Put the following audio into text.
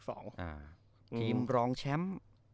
ทีมรองแชมป์